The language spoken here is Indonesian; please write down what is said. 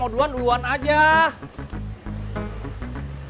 satu produk yang nyamuk